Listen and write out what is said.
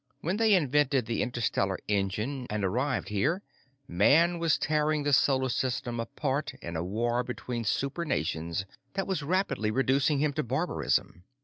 When they invented the interstellar engine and arrived here, man was tearing the Solar System apart in a war between super nations that was rapidly reducing him to barbarism.